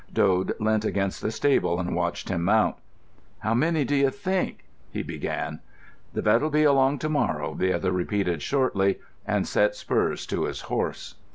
Dode leant against the stable and watched him mount. "How many d'you think——" he began. "The vet'll be along to morrow," the other repeated shortly, and set spurs to his horse.